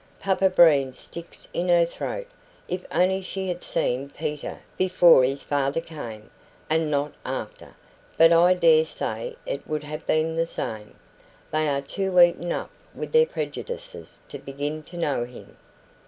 Papa Breen sticks in her throat. If only she had seen Peter before his father came, and not after! But I daresay it would have been the same. They are too eaten up with their prejudices to begin to know him....